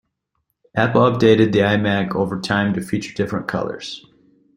Apple updated the iMac over time to feature different colors.